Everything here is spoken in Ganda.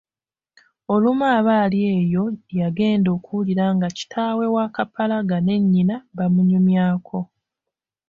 Olumu aba ali eyo yagenda okuwulira nga kitaawe wa Kapalaga ne nnyina bamunyumyako.